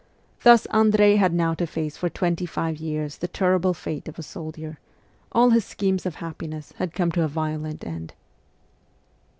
Thus Andrei had now to face for twenty five years the terrible fate of a soldier : all his schemes of happiness had come to a violent end.